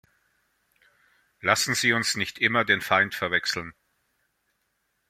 Lassen Sie uns nicht immer den Feind verwechseln.